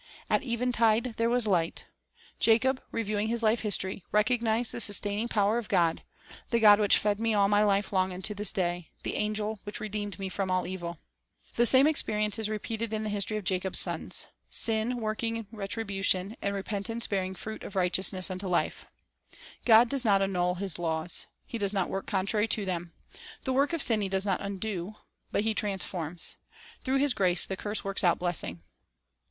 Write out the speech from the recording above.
At eventide there was light. Jacob, reviewing his life history, recognized the sustaining power of God, — "the God which fed me all my life long unto this day, the Angel which redeemed me from all evil." 3 *Isa. 57:16 19. 2 Hoseai2:4; Gen. 32 : 29. 3 Gen 4S : 15, l6. 14S The Bible as an Educator The same experience is repeated in the history of Jacob's sons, — sin working retribution, and repentance ■ bearing fruit of righteousness unto life. God docs not annul His laws. He docs not work contrary to them. The work of sin He does not undo. But He transforms. Through His grace the curse works out blessing.